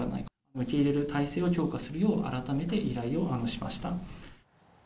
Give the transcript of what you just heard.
受け入れる態勢を強化するよう、改めて依頼をしました。